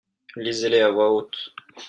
Lisez-les à voix haute.